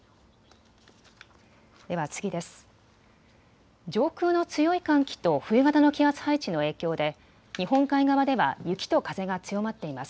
では次です。